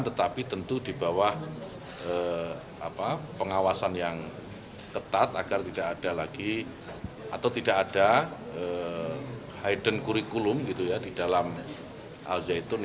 tetapi tentu dibawah pengawasan yang ketat agar tidak ada lagi atau tidak ada hidden curriculum di dalam al zaitun